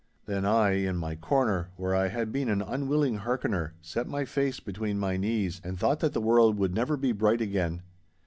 Then I, in my corner, where I had been an unwilling hearkener, set my face between my knees and thought that the world would never be bright again.